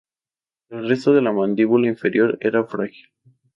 El resto de la mandíbula inferior era frágil.